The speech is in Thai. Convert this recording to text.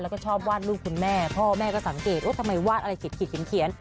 แล้วก็ชอบวาดรูปคุณแม่พ่อแม่ก็สังเกตว่าทำไมวาดอะไรขีดเขียน